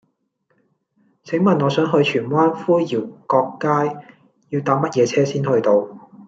請問我想去荃灣灰窰角街要搭乜嘢車先去到